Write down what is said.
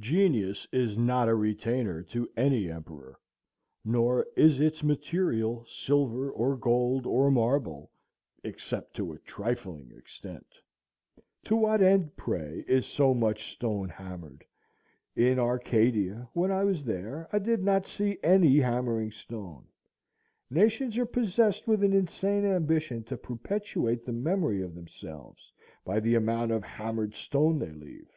Genius is not a retainer to any emperor, nor is its material silver, or gold, or marble, except to a trifling extent. To what end, pray, is so much stone hammered? In Arcadia, when I was there, I did not see any hammering stone. Nations are possessed with an insane ambition to perpetuate the memory of themselves by the amount of hammered stone they leave.